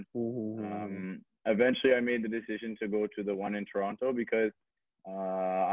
akhirnya saya membuat keputusan untuk pergi ke yang di toronto karena